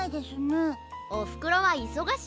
おふくろはいそがしいからな。